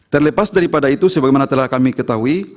terlepas daripada itu sebagaimana telah kami ketahui